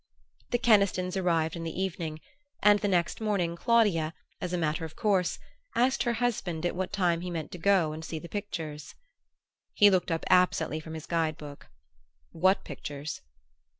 The Kenistons arrived in the evening, and the next morning Claudia, as a matter of course, asked her husband at what time he meant to go and see the pictures. He looked up absently from his guide book. "What pictures?"